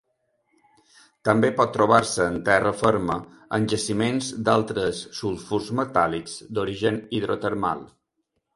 També pot trobar-se en terra ferma en jaciments d'altres sulfurs metàl·lics d'origen hidrotermal.